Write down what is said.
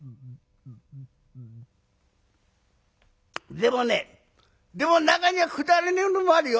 「でもねでも中にはくだらねえのもあるよ。